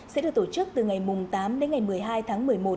sẽ được tổ chức từ ngày tám đến ngày một mươi hai tháng một mươi một